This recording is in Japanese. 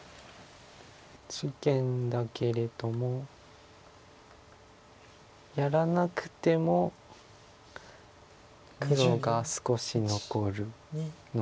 事件だけれどもやらなくても黒が少し残るので。